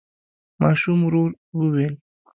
ماشوم ورو وويل: